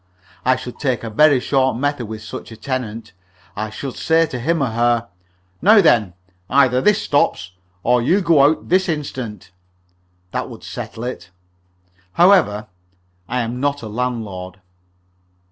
I should take a very short method with such a tenant. I should say to him or her: "Now, then, either this stops, or you go out this instant." That would settle it. However, I am not a landlord.